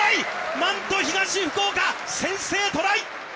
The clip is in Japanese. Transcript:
何と東福岡、先制トライ。